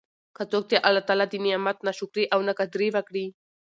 که څوک د الله د نعمت نا شکري او نا قدري وکړي